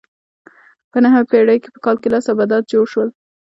په نهمه پېړۍ کې په کال کې لس ابدات جوړ شوي.